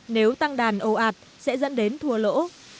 nếu tăng đàn ồ ạt sẽ dẫn đến thua lỗ